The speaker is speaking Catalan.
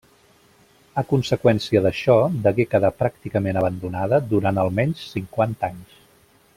A conseqüència d'això, degué quedar pràcticament abandonada durant almenys cinquanta anys.